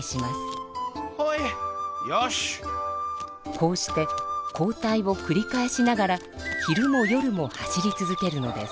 こうして交代をくり返しながら昼も夜も走り続けるのです。